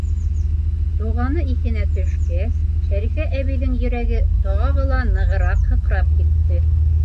Туғаны иҫенә төшкәс, Шәрифә әбейҙең йөрәге тағы ла нығыраҡ һыҡрап китте.